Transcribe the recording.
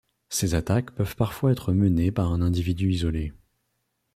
Ces attaques peuvent parfois être menées par un individu isolé.